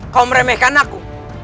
kau meremehkan aku